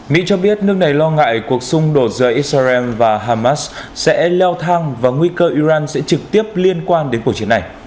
mỹ cho biết nước này lo ngại cuộc xung đột giữa israel và hamas sẽ leo thang và nguy cơ iran sẽ trực tiếp liên quan đến cuộc chiến này